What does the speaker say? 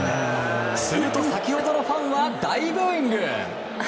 すると、先ほどのファンは大ブーイング。